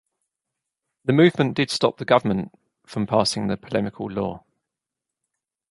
The movement did stop the government from passing the polemical Law.